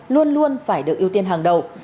luôn luôn phải được ưu tiên hàng đầu